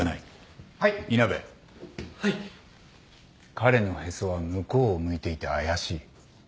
彼のへそは向こうを向いていて怪しい。